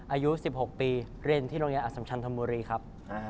อายุ๑๖ปีเรียนที่โรงเรียนอสัมชันธมบุรีครับ